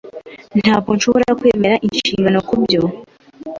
Ntabwo nshobora kwemera inshingano kubyo.